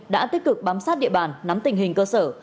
đã tích cực bám sát địa bàn nắm tình hình cơ sở